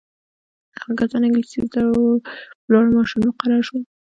هغه کسان انګلیسي یې زده وه په لوړو معاشونو مقرر شول.